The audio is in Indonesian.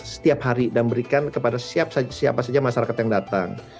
setiap hari dan berikan kepada siapa saja masyarakat yang datang